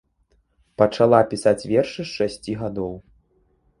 Пачала пісаць вершы з шасці гадоў.